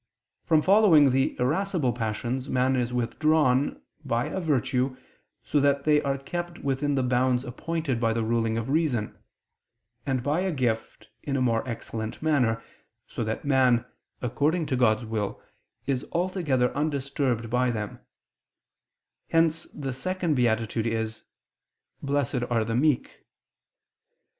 From following the irascible passions man is withdrawn by a virtue, so that they are kept within the bounds appointed by the ruling of reason and by a gift, in a more excellent manner, so that man, according to God's will, is altogether undisturbed by them: hence the second beatitude is: "Blessed are the meek."